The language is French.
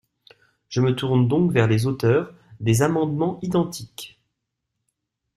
Je me tourne donc vers les auteurs des amendements identiques.